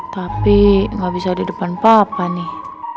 tapi gak bisa di depan papa nih